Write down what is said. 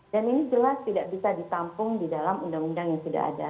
dan ini jelas tidak bisa ditampung di dalam undang undang yang sudah ada